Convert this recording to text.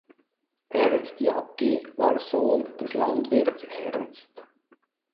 Ernst Jaggi war Sohn des Landwirts Ernst.